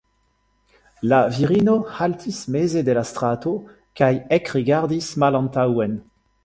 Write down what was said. La virino haltis meze de la strato kaj ekrigardis malantaŭen.